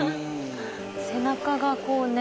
背中がこうね